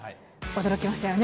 驚きましたよね。